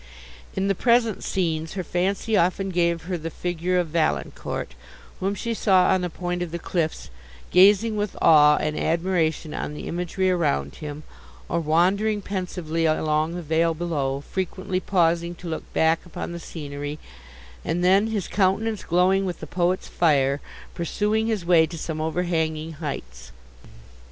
In the present scenes her fancy often gave her the figure of Valancourt, whom she saw on a point of the cliffs, gazing with awe and admiration on the imagery around him; or wandering pensively along the vale below, frequently pausing to look back upon the scenery, and then, his countenance glowing with the poet's fire, pursuing his way to some overhanging heights.